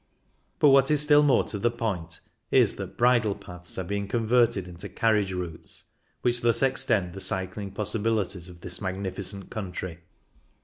But what is still more to the point is that bridle paths are being converted into car riage routes, which thus extend the cycling possibilities of this magnificent country.